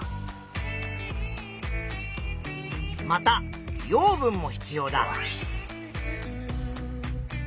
また養分も必要だ。